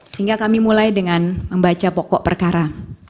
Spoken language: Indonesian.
sehingga kami mulai dengan membaca pokok perkara